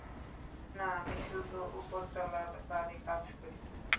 না, আমি শুধু ওপরতলার বারে কাজ করি।